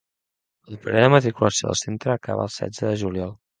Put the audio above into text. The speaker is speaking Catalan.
El període de matriculació del centre acaba el setze de juliol.